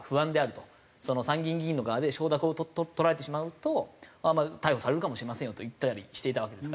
参議院議員の側で承諾を取られてしまうと逮捕されるかもしれませんよと言ったりしていたわけですから。